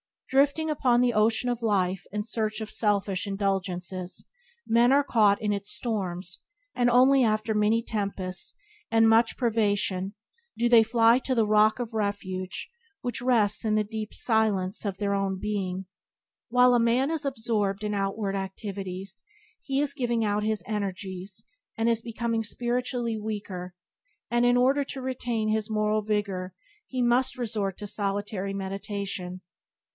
Drifting upon the ocean of life in search of selfish indulgences men are caught in its storms and only after many tempests and much privation do they fly to the Rock of Refuge which rests in the deep silence of their own being. While a man is absorbed in outward activities he is giving out his energies and is becoming spiritually weaker, and in order to retain his moral vigour he must resort to solitary meditation.